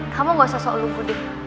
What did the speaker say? kamu gak usah soal lukudin